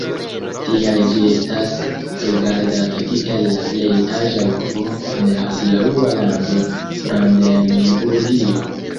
Tiel ĝi estas rigardata kiel la plej aĝa urbo en la hodiaŭa lando Brandenburgio.